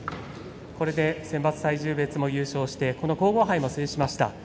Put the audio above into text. これで選抜体重別も優勝してこの皇后杯も制しました。